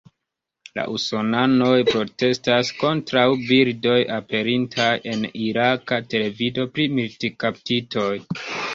La usonanoj protestas kontraŭ bildoj aperintaj en iraka televido pri militkaptitoj.